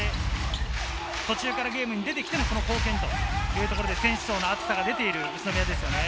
途中からゲームに出てきても、この貢献というところで選手層の厚さが出ている宇都宮ですけれども。